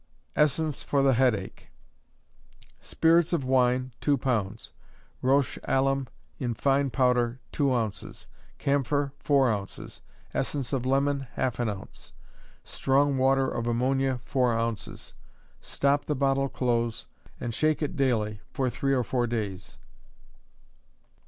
Essence for the Headache. Spirits of wine, two pounds; roche alum, in fine powder, two ounces; camphor, four ounces; essence of lemon, half an ounce; strong water of ammonia, four ounces. Stop the bottle close, and shake it daily, for three or four days.